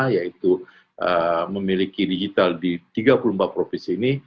yaitu memiliki digital di tiga puluh empat provinsi ini